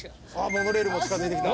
モノレールも近付いてきた。